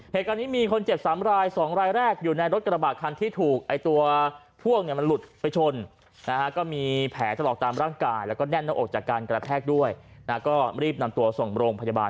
เหตุการณ์นี้มีคนเจ็บ๓ราย๒รายแรกอยู่ในรถกระบาดคันที่ถูกไอ้ตัวพ่วงเนี่ยมันหลุดไปชนนะฮะก็มีแผลถลอกตามร่างกายแล้วก็แน่นหน้าอกจากการกระแทกด้วยนะก็รีบนำตัวส่งโรงพยาบาล